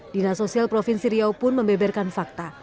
dinas sosial provinsi riau pun membeberkan fakta